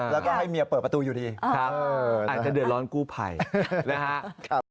แล้วก็ให้เมียเปิดประตูอยู่ดีอาจจะเดินร้อนกู้ไผ่นะฮะ